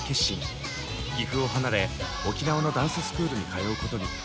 岐阜を離れ沖縄のダンススクールに通うことに。